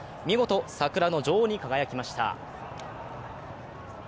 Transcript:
見事、桜の女王に輝きました。